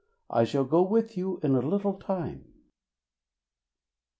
I shall go with you in a little time!"